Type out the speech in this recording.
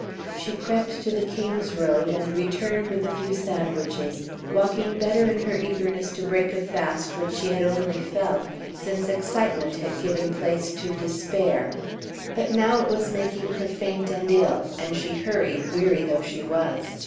She crept to the King's road, and returned with a few sandwiches, walking better in her eagerness to break a fast which she had only felt since excitement had given place to despair. But now it was making her faint and ill. And she hurried, weary though she was.